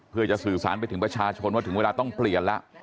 เพื่อจะสื่อสารไปถึงประชาชนว่าถึงเวลาต้องเปลี่ยนแล้ว